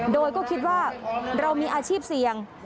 โดยก็คิดว่าเรามีอาชีพเสี่ยง